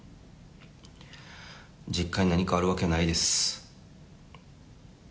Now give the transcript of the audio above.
実家に何かあるわけないです。